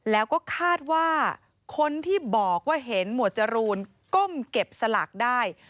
แล้วก็คาดว่าคนที่บอกว่าเห็นหมวดจรูนก้มเก็บสลากได้